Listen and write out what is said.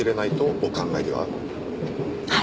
はい。